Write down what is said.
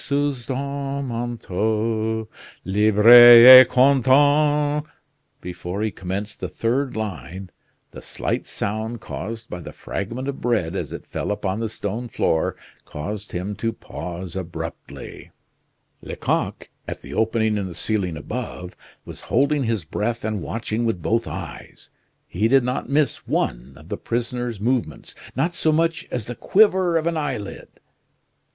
Sous ton manteau, libre et content " Before he commenced the third line the slight sound caused by the fragment of bread as it fell upon the stone floor caused him to pause abruptly. Lecoq, at the opening in the ceiling above, was holding his breath and watching with both eyes. He did not miss one of the prisoner's movements not so much as the quiver of an eyelid.